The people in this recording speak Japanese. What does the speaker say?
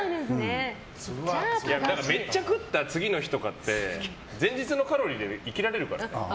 めっちゃ食った次の日とかって前日のカロリーで生きられるから。